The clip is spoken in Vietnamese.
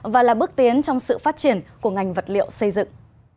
và là bước tiến trong sự phát triển của ngành vật liệu xây dựng